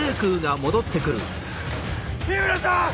緋村さん！